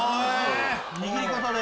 握り方で。